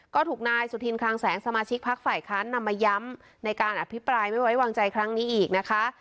ก็ถูกนายสุธินคลังแสงสมาชิกพักฝ่ายค้านนำมาย้ำในการอภิปรายไม่ไว้วางใจครั้งนี้อีกนะคะ